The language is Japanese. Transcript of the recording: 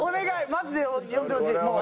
マジで呼んでほしいもう。